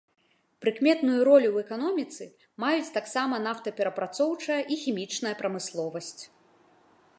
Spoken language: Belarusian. Прыкметную ролю ў эканоміцы маюць таксама нафтаперапрацоўчая і хімічная прамысловасць.